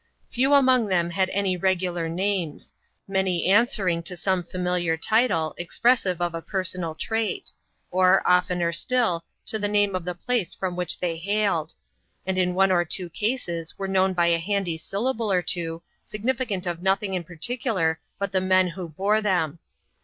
Pew among them had any regular names ; many answering to some familiar title, expressive of a personal trait ; or, oftener still, to the name of the place from which they hailed ; and in one or two cases were known by a handy syllable or two, sig nificant of nothing in particular but the men who bore them.